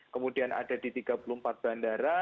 kemudian ada di tiga puluh empat bandara